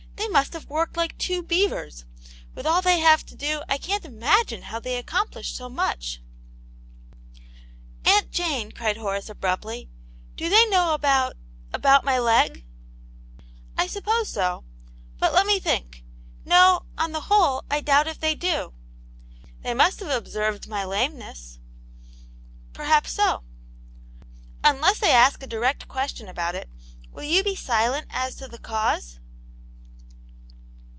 They must have worked like two beavers. With all they have to do I can't ima gine how they accomplish so muclv" "Aunt Jane," cried Horace, abruptly, "do they know about— about my leg ?" "I suppose so. But let me think. No, on the whole I doubt if they do." " They must have observed my lameness.'* '* Perhaps so." *" Unless they ask a direct question about it, will you be silent as to the cause